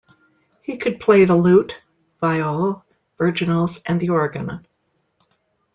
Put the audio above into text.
He could play the lute, viol, virginals and the organ.